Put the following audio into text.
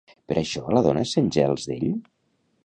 Per això la dona sent gels d'ell?